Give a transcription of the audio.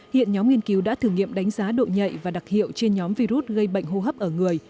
hiện nhóm nghiên cứu đã thử nghiệm đánh giá độ nhạy và đặc hiệu trên nhóm virus gây bệnh hô hấp ở người